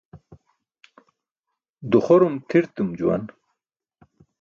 Duxorum tʰirtum juwan.